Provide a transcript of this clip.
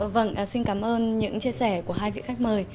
vâng xin cảm ơn những chia sẻ của hai vị khách mời